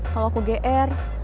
kalau aku gr